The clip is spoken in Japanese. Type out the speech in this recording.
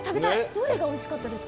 どれがおいしかったですか？